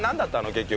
結局。